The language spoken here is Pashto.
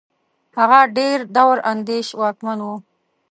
هغه ډېر دور اندېش واکمن وو.